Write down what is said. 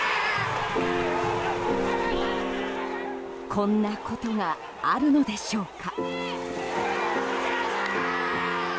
こんなことがあるのでしょうか。